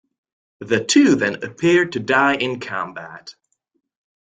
The two then appear to die in combat.